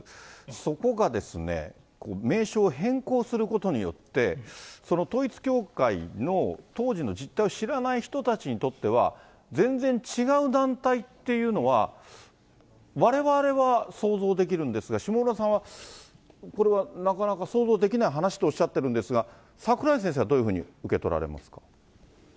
そこが名称を変更することによって、その統一教会の当時の実態を知らない人たちにとっては、全然違う団体っていうのは、われわれは想像できるんですが、下村さんは、これはなかなか想像できない話とおっしゃってるんですが、櫻井先生はどういうふうに受け取られますか。